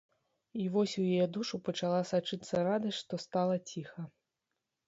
І вось у яе душу пачала сачыцца радасць, што стала ціха.